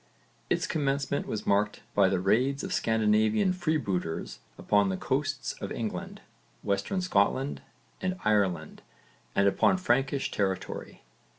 Its commencement was marked by the raids of Scandinavian freebooters upon the coasts of England, Western Scotland and Ireland and upon Frankish territory.